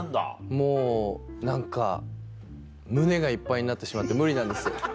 もう何か胸がいっぱいになってしまって無理なんですよ。